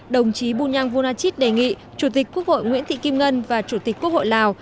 đồng chí bung nhang volachit đề nghị chủ tịch quốc hội nguyễn thị kim ngân và chủ tịch quốc hội lào